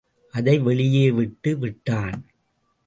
அதை வெளியே விட்டு விட்டான்.